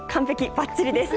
ばっちりです。